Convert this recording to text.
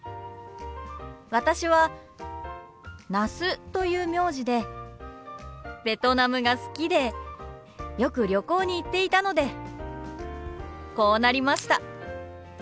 私は那須という名字でベトナムが好きでよく旅行に行っていたのでこうなりました。